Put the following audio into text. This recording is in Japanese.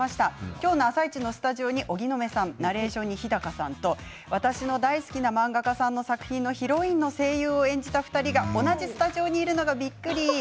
今日の「あさイチ」のスタジオに荻野目さん、ナレーションに日高さんと私の大好きな漫画家さんの作品のヒロインの声優を演じた２人が、同じスタジオにいるのがびっくり。